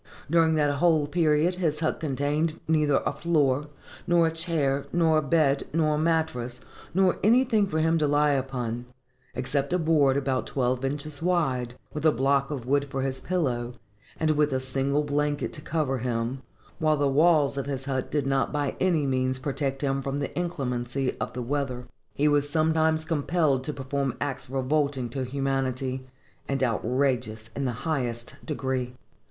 During that whole period his hut contained neither a floor, nor a chair, nor a bed, nor a mattress, nor anything for him to lie upon, except a board about twelve inches wide, with a block of wood for his pillow, and with a single blanket to cover him, while the walls of his hut did not by any means protect him from the inclemency of the weather. He was sometimes compelled to perform acts revolting to humanity, and outrageous in the highest degree.